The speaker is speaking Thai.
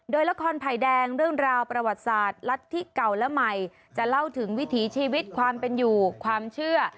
โดยละครไผ่แดงเรื่องราวประวัติศาสตร์รัฐธิเก่าและใหม่จะเล่าถึงวิถีชีวิตความเป็นอยู่ความเชื่อ